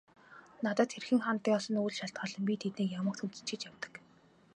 Надад хэрхэн ханддагаас нь үл шалтгаалан би тэднийг ямагт хүндэтгэж явдаг.